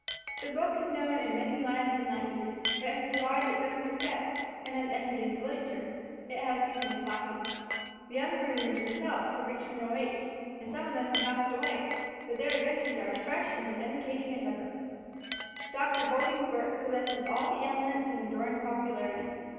The book is known in many lands and languages. It has survived its own success, and has entered into literature. It has become a classic. The young marooners themselves have reached middle age, and some of them have passed away, but their adventures are as fresh and as entertaining as ever. Dr. Goulding's work possesses all the elements of enduring popularity.